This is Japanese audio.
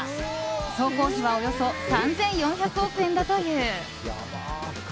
総工費はおよそ３４００億円だという。